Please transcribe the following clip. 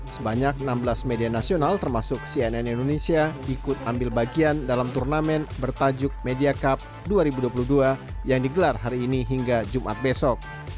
sebanyak enam belas media nasional termasuk cnn indonesia ikut ambil bagian dalam turnamen bertajuk media cup dua ribu dua puluh dua yang digelar hari ini hingga jumat besok